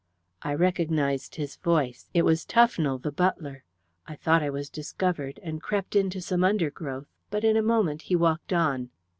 I recognized his voice. It was Tufnell, the butler. I thought I was discovered, and crept into some undergrowth, but in a moment he walked on.